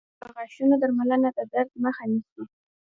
• د غاښونو درملنه د درد مخه نیسي.